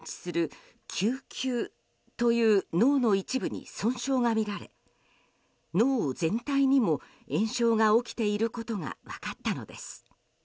においを検知する嗅球という脳の一部に損傷が見られ脳全体にも炎症が起きていることが分かったのです。